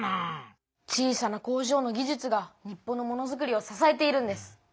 小さな工場の技術が日本のものづくりを支えているんです。